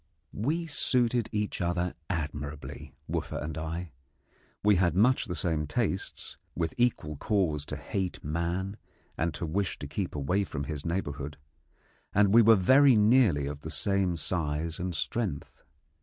We suited each other admirably, Wooffa and I. We had much the same tastes, with equal cause to hate man and to wish to keep away from his neighbourhood, and we were very nearly of the same size and strength.